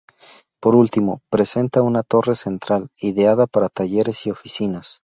Por último, presenta una torre central, ideada para talleres y oficinas.